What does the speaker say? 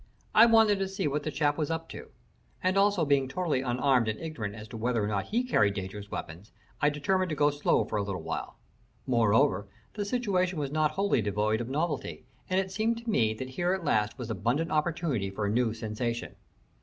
I wanted to see what the chap was up to; and also being totally unarmed and ignorant as to whether or not he carried dangerous weapons, I determined to go slow for a little while. Moreover, the situation was not wholly devoid of novelty, and it seemed to me that here at last was abundant opportunity for a new sensation.